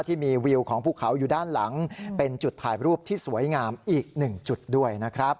ที่มีวิวของภูเขาอยู่ด้านหลังเป็นจุดถ่ายรูปที่สวยงามอีกหนึ่งจุดด้วยนะครับ